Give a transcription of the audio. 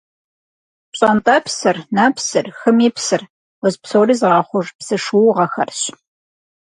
Пщӏэнтӏэпсыр, нэпсыр, хым и псыр – уз псори зыгъэхъуж псы шуугъэхэрщ.